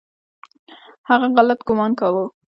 هغه غلط ګومان کاوه .